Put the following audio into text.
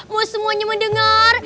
mau semuanya mendengar